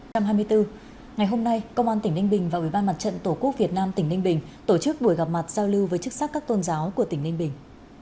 năm hai nghìn hai mươi bốn ngày hôm nay công an tỉnh ninh bình và ubnd tổ quốc việt nam tỉnh ninh bình tổ chức buổi gặp mặt giao lưu với chức sát các tôn giáo của tỉnh ninh bình